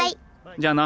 じゃあな。